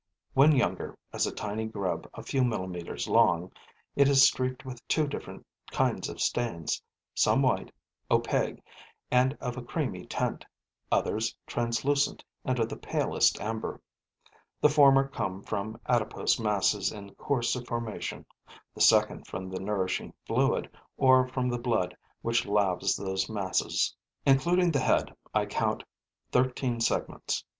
When younger, as a tiny grub a few millimeters long, it is streaked with two different kinds of stains, some white, opaque and of a creamy tint, others translucent and of the palest amber. The former come from adipose masses in course of formation; the second from the nourishing fluid or from the blood which laves those masses. Including the head, I count thirteen segments.